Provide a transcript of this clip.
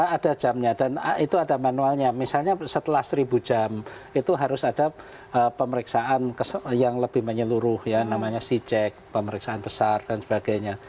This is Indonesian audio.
ada jamnya dan itu ada manualnya misalnya setelah seribu jam itu harus ada pemeriksaan yang lebih menyeluruh ya namanya check pemeriksaan besar dan sebagainya